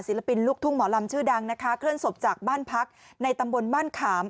ปินลูกทุ่งหมอลำชื่อดังนะคะเคลื่อนศพจากบ้านพักในตำบลบ้านขาม